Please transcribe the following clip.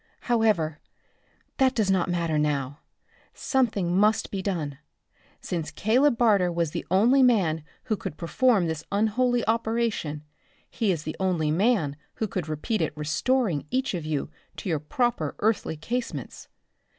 However, that does not matter now. Something must be done. Since Caleb Barter was the only man who could perform this unholy operation, he is the only one who could repeat it restoring each of you to your proper earthly casements.